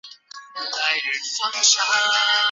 外滩大桥是浙江省宁波市一座跨甬江斜拉桥。